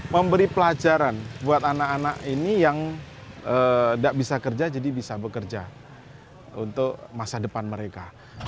memberi pelajaran buat anak anak ini yang tidak bisa kerja jadi bisa bekerja untuk masa depan mereka